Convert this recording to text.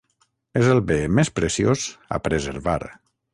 És el bé més preciós a preservar.